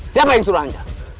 siapa yang suruh ancaman